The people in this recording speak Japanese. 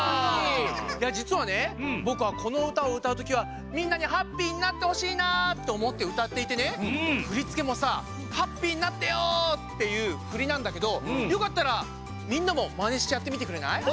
いやじつはねぼくはこのうたをうたうときはみんなにハッピーになってほしいなっておもってうたっていてねふりつけもさハッピーになってよっていうふりなんだけどよかったらみんなもまねしてやってみてくれない？